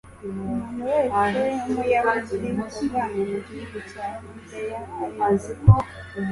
umuntu wese w'umuyahudi wavanywe mu gihugu cya yudeya ari imbohe